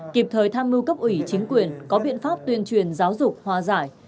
kịp thời tham mưu cấp ủy chính quyền có biện pháp tuyên truyền giáo dục hòa giải